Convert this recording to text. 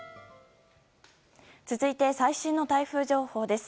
続いて、最新の台風情報です。